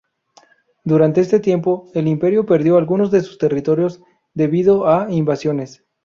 Durante este tiempo, el imperio perdió algunos de sus territorios debido a invasiones.